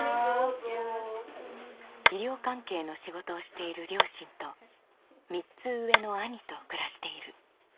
医療関係の仕事をしている両親と３つ上の兄と暮らしている。